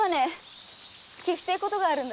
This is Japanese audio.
聞きてえことがあるんだ。